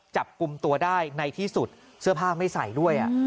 จับกลุ่มตัวได้ในที่สุดเสื้อผ้าไม่ใส่ด้วย